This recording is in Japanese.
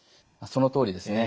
そのとおりですね。